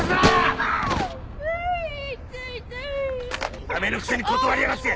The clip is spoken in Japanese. のだめのくせに断りやがって。